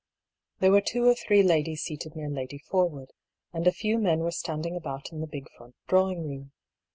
There were two or three ladies seated near Lady Forwood, and a few men were standing about in the big front drawing room.